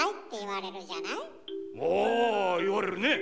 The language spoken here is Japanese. ああ言われるね。